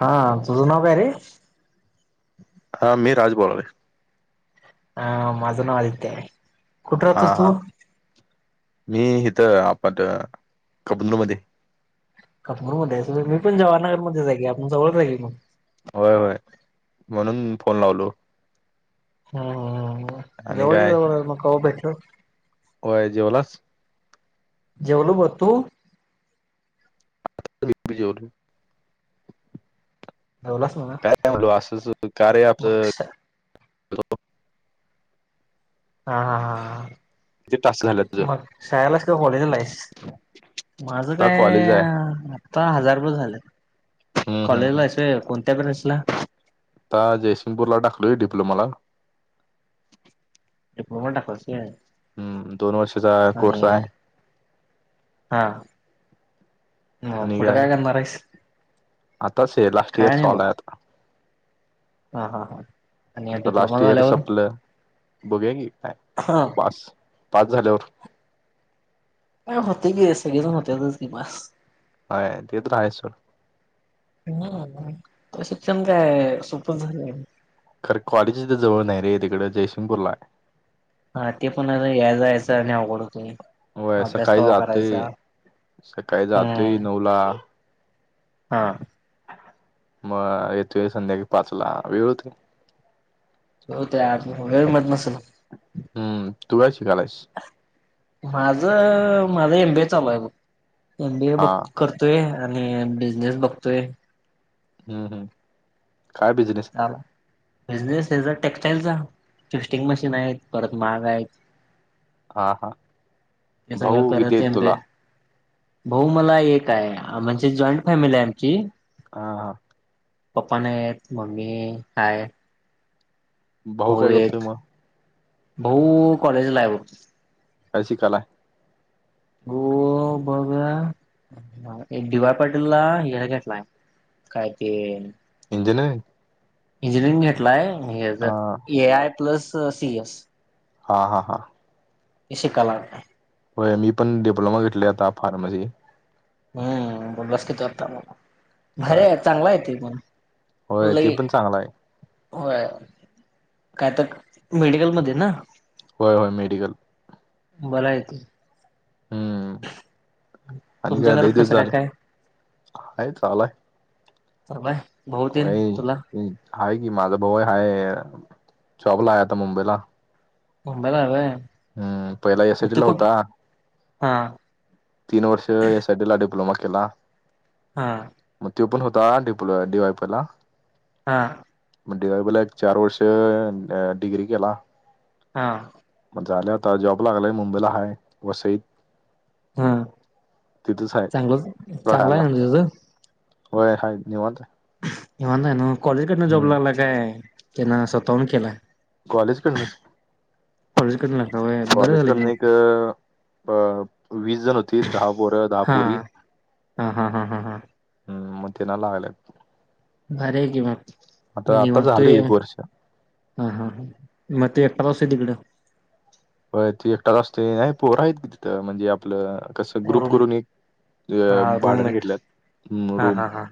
हा तुझ नाव काय रे? हा मी राज बोलालोय. हा माझं नाव आदित्य आहे. कुठे हा राहतोस हा तू मी इथं आपट कबनूर मध्ये. कबनूरमध्ये हायस होय मी पण जवाहनगरमध्येच हाय की आपण जवळ हाय की मग. होय होय म्हणून फोन लावलो. हम्मम आणि जवळ काय जवळ मग कवा भेटलो? होय जेवलास? जेवलो बघ, तू? मी बी जेवलो. जेवलास? म्हणा मग श [unintelligible] हा हा हा. किती टास्क झालं तुझं मग शाळेला आहेच किंवा कॉलेजला आहेस माझं आता काय. कॉलेज आहे आता हजार रुपये झालेत हम्म हम्म कॉलेजला हम्म हायस होय कोणत्या काॅलेजला? आता जयसिंगपूर ला टाकलोय डिप्लोमाला. डीप्लोमाला टाकलस होय. हम्म दोन वर्षाचा कोर्स हाय. हा मग पुढ काय करणार हायस? आताच हे लास्ट इयर चालू हाय आता. हा हा हा.. आणि डिप्लोमा लास्ट इयर झाल्यावर संपलं, बघुया की काय पास, पास झाल्यावर. नाय होतय की सगळेजण होतातच की पास. होय ते तर आहेच सोड. ह शिक्षण काय सोपच झालय. खरं कॉलेज इथं जवळ नाही रे तिकडे जयसिंगपूरला हाय. हा ते पण या जा यायचं आणि आवघड होतय. व्हय, सकाळी जातोय, सकाळी जातोय हम्म नवला हा.. मग येतोय संध्याकाळी पाच ला, वेळ होतोय. [unintelligible] हम्म.. तू काय शिकालायस? माझ माझ एमबीए चालू आहे बघ एमबीए हा बघ करतोय आणि बिझनेस बघतोय हम्म हम् काय बिजनेस चाला बिझनेस हेचा टेक्स्टाइलचा टिस्टिंग मशीन आहेत परत माहाग आहेत हा हा हे सगळं भाऊ किती करत आहेत एम बी ए तुला भाऊ मला एक आहे म्हणजे जॉईंट फॅमिली आहे आमची आ.. पप्पा नाही आहेत मम्मी हाय.. भाऊ ब काय करतोय एक मग ब कॉलेज लाईफ [inaudible] कस कला आहे [inaudible] गो बघा [unintelligible] एक दिवा पाडला येला हे काय ते इंजन [unintelligible] इंजिनिअरिंग घेतलाय म्हजे, हा जर A I plus C S. हा हा हा. की कला [unintelligible] होय, मी पण डिप्लोमा घेतले आता फार्मसी. हम्, बसकीेत वाता मला होय भरे चांगला आहे. त पण होय ल ते पण चांगला आहे होय, काय तक मीडियल म्हदें ना. होय -होय मेडिकल बला येत [unintelligible] हम्म, आणि तुमच्या काय घरात ल तेच कसं काय झाल काय आहे लाय. परर्वा [unintelligible] हा की माझा भाऊ हाय जॉब्ला आहे. आता मुंबईला मुंबालाव हम्म, पहिला एसटला होता. हां, तीन वर्ष एस आय डी ला डि्लोमा केला. हा, मग तो पण होता पो डीवायप ला [unintelligible] हां. म्हणजेला एक चार वर्ष डिग्री केला. हा, मग झाल्या होता जॉब लागलाय मुंबईला हय वसईत. हा, तिथंच आहे चांगलं चांगला आहे. म्ह तझं वय हय निव माते कव्हा नाहीय ना कॉलेजकडन जॉब लागला काय त्यांना स्वतःहून केला. कॉलेज करनच, कॉलेजकडनं लागला होय बरं कॉलेज झालं की करडन मग एक अ वीस जण होती दहा बोरं दहा हा पोरी हा हा हा हां हां? हम्म मुतेनला लागले. भर किं म आता आता निवतू झालं हा एक वर्ष हा हा, म एकरास आहे द गडं हो, तू एकटा असते. नाही पोर आहेत की तिथं म्हणजे, आपलं कस ग्रुप रूम करून एक हा अ, भाडण रूममेट घेतल्यात हा रूम हा हा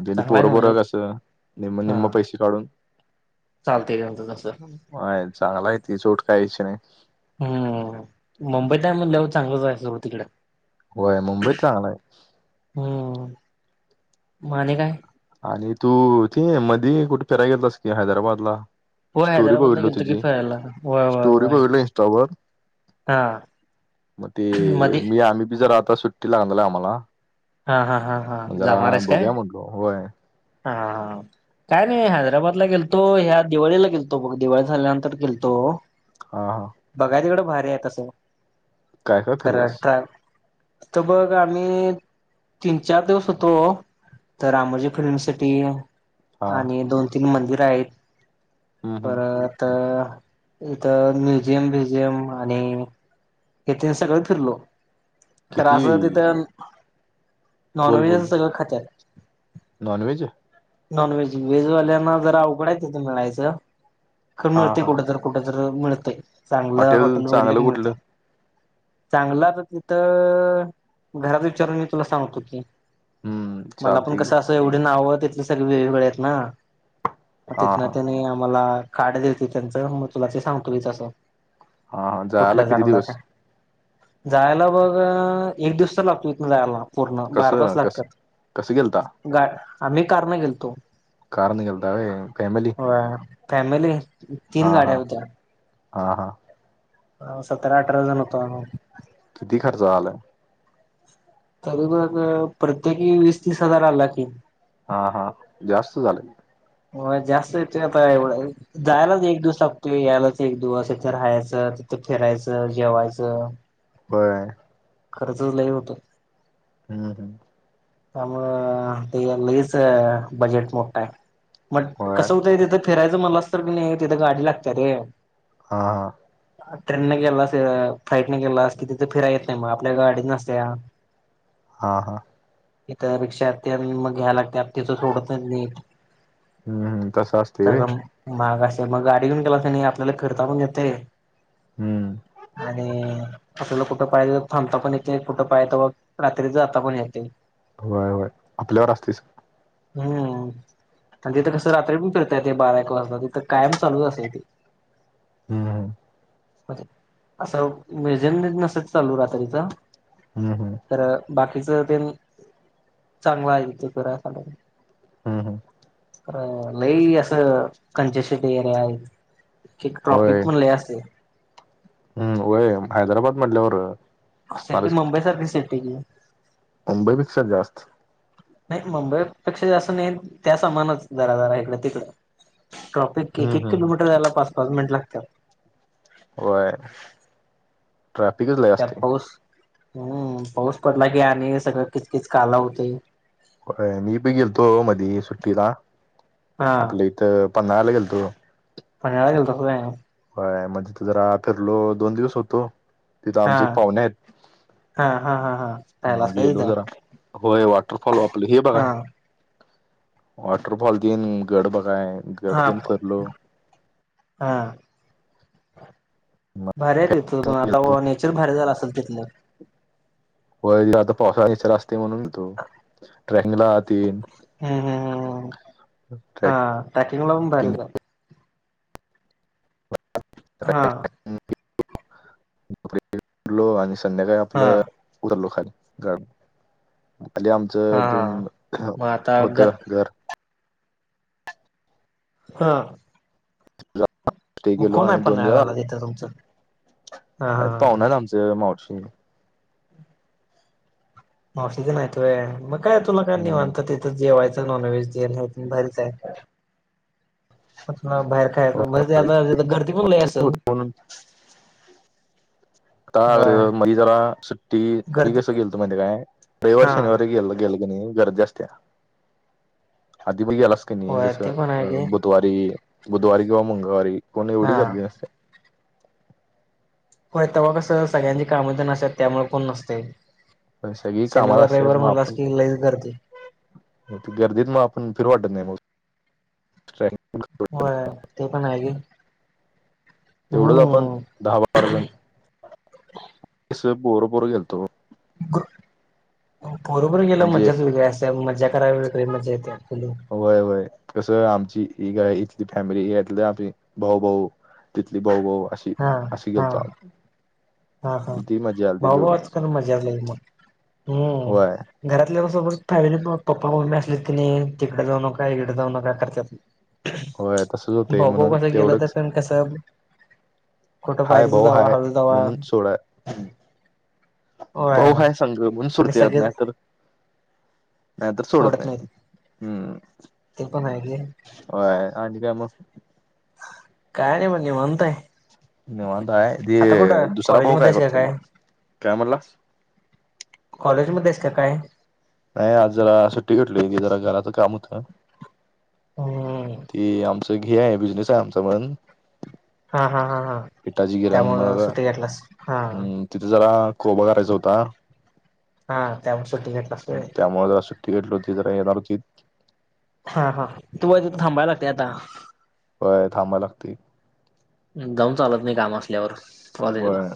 मग चांगला आहे ना मग पोरपोरं जॉब कसं नि निम्म पैसे काढून. चालते लतं तसं. ह चांगला आहे त चूट कायची नाही. हम्.. मुंबई म्हणटल्यावरचांगलंच आहे. सुरव तिकडे होय, मुंबईत चांगला आहे. हम्म माने काय, आणि तू, ते मध्ये कुठे फिरायला गेलतास कि हैदराबाद ला होय स्टोरी हैदराबादला बघितलो, गेलतो की तुझी फिरायला होय होय स्टोरी होय बघितलो इंस्टावर हा मग ते, मध्ये मी, आम्ही बी, जरा आता सुट्टी लागला आम्हाला. हा, हा, हा! जरा जाणार आहेस काय बघुया, म्हणलो होय. हा.. काय नाही, हैदराबादला गेलतो, ह्या दिवाळीला गेलतो बघ, दिवाळी झाल्यानंतर गेलतो. हा, हा. बघाय, तिकडं भारी आहे तसं, काय काय खरं फिरलास तर. तर बघ, आम्ही तीन-चार दिवस होतो, तर आमज फिरण्यासाठी हा आणि दोन-तीन मंदिरं आहेत हम्म हम्म परत तर इथं म्युझियम-ब्युझियम आणि... इथे सगळं फिरलो, खरं किती असं तिथं. बोल बोल नॉनव्हेज सगळं खातात. नॉनव्हेज नॉनव्हेज... व्हेज वाल्यांना जरा अवघड आहे तिथं मिळायचं, खरं हा मिळतंय हा कुठं तर... कुठं तर मिळतंय, चांगलं हॉटेल उघडलं चांगलं की कुठलं मिळतंय. चांगलं, आता तिथं घरात विचारून मी तुला सांगतो की... हम्म मला पण चालतंय की कसं, असं एवढे नावं तिथली सगळी वेगवेगळी आहेत ना. हा तिथं ना, हा त्यांनी आम्हाला कार्ड देतात त्यांचं, मग तुला ते सांगतो तसं. हा हा जायला कुठलं किती चांगलं का? दिवस जायला बघ, एक दिवस तर लागतो इथून जायला. पूर्ण बारा कसं तास कसं लागतात, कसं गेलता आम्ही कारने गेलतो. कारने गेलता होय, फॅमिली? फॅमिली. हा, तीन हा, गाड्या हा, हा. हं, सतरा-अठरा जण होतो आम्ही. किती खर्च आला? तर बघ, प्रत्येकी वीस-तीस हजार आला की. हा हा, जास्त झाला की. होय, जास्त येतो. आता एवढं [inaudible] जायलाच एक दिवस लागतो, यायलाच एक दिवस, इथे राहायचं, तिथे फिरायचं, जेवायचं... होय. खर्च लय होतो. हं, हं. त्यामुळे ते लगेच बजेट मोठं आहे, मग होय कसं होतंय तिथं? फिरायचं म्हणलास तर की नाही, तिथं गाडी लागती रे. हा हा ट्रेनने गेलास, फ्लाईटने गेलास की तिथं फिरायला येत नाही मग, आपल्या गाडीत नसतं या. हां हां. तिथं रिक्षा तेन मग घ्यावी लागते, तिथं सोडत नाहीत नीट. हं, तसंच असतंय व्हय. सगळं महाग असतंय, मग गाडी घेऊन गेला की नाही, आपल्याला फिरता पण येतंय. हम्म आणि आपल्याला कुठं पाहिजे तिथं थांबता पण येते, कुठं पाहा येतं, रात्री जाता पण येतंय. होय होय आपल्यावर असतेच. हम्म. आणि तिथं कसं रात्री पण फिरता येत बारा एक वाजता तिथं कायम चालुच असतय ते. हम्म हम्म. अस [unintelligible] चालू रात्रीचं. हम्म हम्म. तर बाकीच ते न चांगला आहे तिथ फिराय सारख. हम्म हम्म. तर लई असं [unintelligible] येरिया आहेत एक होय ट्रॉपिक पण लय असतय. हम्म वय हैदराबाद म्हणल्यावर सिटी मुंबई सारखी सिटी. मुंबईपेक्षा जास्त. नाही मुंबईपेक्षा जास्तं नाही त्या सामानच जराजरा इकड तिकडं. ट्रॉफिक हम्म एक एक हम्म हम्म किलोमिटर जायला पाच पाच मिनिट लागत्यात. व्हय. ट्राफिकच लय त्यात पाऊस हम्म पाऊस पडला की आणि सगळं किच किच काला उडतोय. होय मी बी गेलतो मधी सुट्टीला हा आपल्या इथं पन्हाळ्याला गेलतो. पन्हाळ्याला गेलतात व्हय. होय म्हणजे त जरा फिरलो दोन दिवस होतो तिथं हा आमचे पाहुणे आहेत. हा हा हा हा मग राहिलास काय गेलो तिथं जरा होय वॉटरफॉल आपलं हे हा बघाय. वॉटरफॉल तिन गड बघाय. हा गड तेन फिरलो हां. मग भारी आहे तिथ प आता नेचर भारी झाल असेल तिथलं. व्ह्य आता पावसाळा बिवसाळा असतोय म्हणून तो ट्रॅकिंग ला ती हम्म हम्म हम्म हम्म ट्रॅकिंगला पण ट्रॅकिंग भारी आहे. [unintelligible] हा आणि संध्याकाळी हा आपलं उतरलो खाली [unintelligible] हा हा च मग [unintelligible] आता होतं घर. हा. स्टे केलो कोण हाय आणि दोन पन्हाळ्याला [unintelligible] तिथ तुमचं? हा हायत हा पावन हायत आमच मावशी. मावशी तेन हाईत होय मग काय तुला काय निवांत म्हणून तिथं जेवायचं नॉनव्हेज तेन भारी जायचं. बाहेर खायाच म्हते आता गर्दी पण लय असत्या सोड. बोला. होय आता मधी जरा सुट्टी मी गर्दी कसं गेलतो माहितो काय? रविवार हा शनिवारी गेल गेल क नाही गर्दी असत्याय आधी मधी गेलास कनी होय कस ते पण आहे की अं बुधवारी बुधवारी किंवा मंगळवारी कोणी एवढ हा गर्दी नसत्या. होय तेव्हा कसं सगळ्यांची काम ते असत्यात त्यामुळे कोण नसतय. पण सगळी शनिवार रविवार म्हणलास की लईच गर्दी. ते गर्दीत मग आपण फिरू वाटत नाही मग. [unintelligible] होय ते पण आहे घे हो. अर्जंट? कस बोर बोर गेलतो. [unintelligible] पोरबर गेला. म्हणजे मजाच वेग असं मजा करायला मिळते, मजा येते फुलो. होय होय कसं आमची ही गाय इथली फॅमिली यातल आम्ही भाऊ भाऊ. तिथली भाऊ भाऊ अशी. हा. हा [unintelligible] हा हा. आम्ही ती मजा आलती भाऊ भाऊ, तेवढीच आजकाल मजा लई मग. हम्म. होय घरातल्या सोबत फॅमिलीग पप्पा मम्मी असली तिने तिकडे जाऊ नका इकडे जाऊ नका करत्यात. होय तसं. ते म्हनं तेवढंच. कसब. हाय भाऊ हाय हळू जावा म्हणून सोडा. तो होय काय समजल, पोलीस आणि सोडतीयात सगळेच नाहीतर नाही आता सोडत नाहीत सोडत्यात. हम्म ते पण आहे की ओए आणि काय मग. काय रे भाऊ निवांत आहे? निवांत आहे. आता ते कुठं दुसरा भाऊ कॉलेजमध्ये काय आहेस का करतोय मग? काय म्हणालास? कॉलेज मध्ये असता काय? नाही आज जरा सुट्टी घेतली होती मी. जरा घराचं काम होतं. ह. ते आमचं घे आहे. बिझनेस आहे आमचा पण. हा हा हा हा पिठाची त्यामुळ सुटी घेतलास हा. तिथ जरा कोबा करायचा होता. हा त्यामुळे सुट्टी घेतलास अन् होय त्यामुळे जरा सुट्टी घेतली होती. ती जरा येणार होती. हा हा. तू् आहे त थांबायला लागते आता. होय थांबाव लागती. गाऊन चालत नाही काम असल्यावर. कॉलेजला होय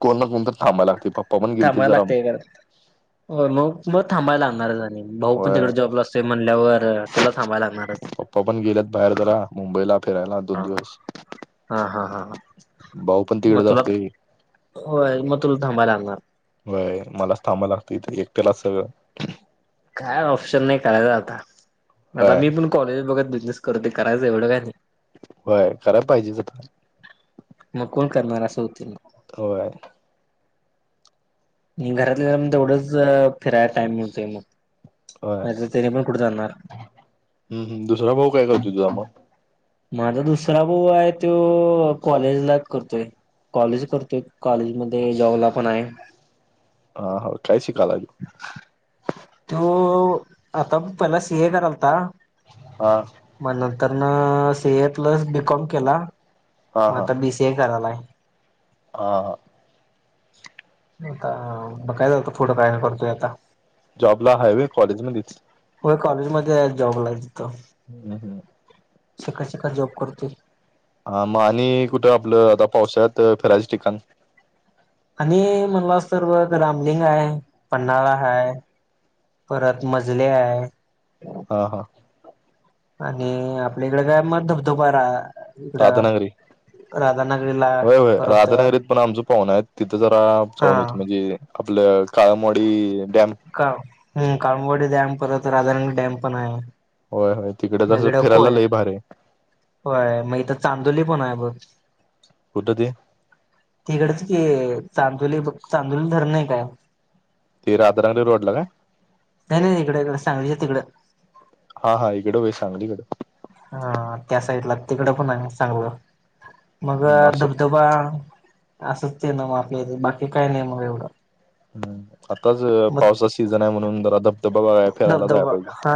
कोणना फोन ता? थांबायला लागतेय घरात. हो मग मग थांबायला लागणार रनिंग. भाऊ पण होय तिकडे जॉबला असतय म्हणल्यावर तुला थांबयला लागणारच. तो पण गेलेत बाहेर जरा मुंबईला. फिरायला दोन हा दिवस. हा हा हा भाऊ पण मग तिकडंच तुला असतेय. होय. मग तुला थांबयला लागणार. व्हय मलाच थांबं लागतं इथ. एकट्यालाच सगळं. काय ऑप्शन नाही टाळायचा आता. आता व्हय मी पण कॉलेज बघत बिझनेस करते, करायचं एवढं काय नाही. होय. कराय पाहिजेच आता. मग कोण करणार? असं होतील ना. होयात. ई घरातल्या घरात तेवढंच फिरायला टईम मिळतोय मग. [unintelligible] होय पण कुठे जाणार? हम्म हम्म. दुसरा भाऊ काय करतो तुझा मग? माझा दुसरा भाऊ आहे तो कॉलेजला करतोय. कॉलेज करतोय. कॉलेजमधे जॉबला पण आहे. हा हा. काय शिकलाय? तो आता पहिला सीए करालता. हा! मग नंतर न C A plus B com केला. हा मग हा आता बी सी ए करायला. [unintelligible] आता मग काय झालं, पुढ काय करतोय आता! जॉबला हायवे कॉलेजमध्येच! होय! कॉलेजमध्ये आहे जॉबला तिथं [unintelligible] शिकत शिकत जॉब करतोय. हा! मग आणि कुठं आपलं आता पावसाळ्यात फिरायच ठिकाण! आणि म्हणलास तर बग रामलिंग हाय, पन्हाळा हाय. परत मजले हाय! हा, हा! आणि आपल्या इकडे काय मग धबधबा रा इकडं राधानगरी! राधानगरीला होय, होय! परत राधानगरीत पण आमचं पाहुण आहे. तिथं हा जाऊन येतो. म्हणजे आपलं काळंबवाडी डॅम का, हं! काळंबवाडी डॅम परत राधानगरी डॅम पण आहे. होय, होय! तिकडे मग तसं इकडं फिरायला कोय लई भारी आहे. होय! मग इथं चांदोली पण आहे बघ! कुठं ते? तिकडचं की, चांदोली बघ, चांदोली धरण नाही काय! ते राधानगरी रोड ला काय? नाही रे, इकडं इकडे सांगलीच्या तिकंड! हा, हा! इकडं वय सांगलीकडं हा, त्या साईटला तिकडं पण आहे चांगलं. मग अ, असं धबधबा असंच ते ना मग आपल्या बाकी काय नाही मग एवढं. हं! आताच मग पावसाचा सीझन आहे. म्हणून जरा धबधबा बघाय, फिरायला जायला धबधबा पाहिजे. हा